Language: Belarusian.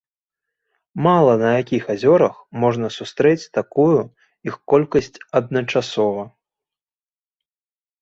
Мала на якіх азёрах можна сустрэць такую іх колькасць адначасова.